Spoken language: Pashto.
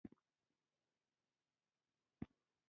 د تېښتې په وخت زموږ ملګرو پېژندلى و.